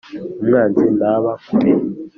Umwanzi ntaba kure.